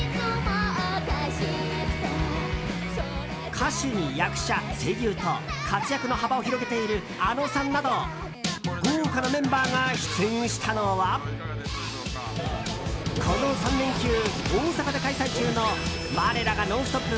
歌手に役者、声優と活躍の場を広げているａｎｏさんなど豪華なメンバーが出演したのはこの３連休、大阪で開催中の我らが「ノンストップ！」